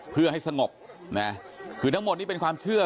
เพื่อให้สงบนะคือทั้งหมดนี้เป็นความเชื่อ